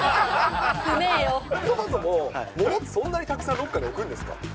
そもそも、物ってそんなにたくさんロッカーに置くんですか？